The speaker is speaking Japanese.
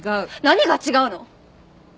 何が違うの！？